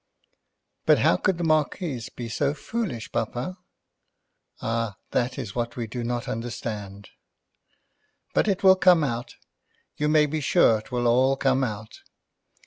"But how could the Marquis be so foolish, papa?" "Ah, that is what we do not understand. But it will come out. You may be sure it will all come out.